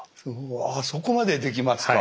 うわそこまでできますか。